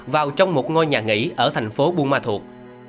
vào trong một ngôi nhà nghỉ ở thành phố buôn ma thuột